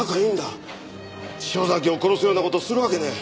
潮崎を殺すような事するわけねえ。